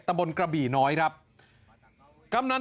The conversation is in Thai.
ตะบลกระบี่น้อย